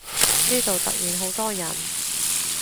呢度突然好多人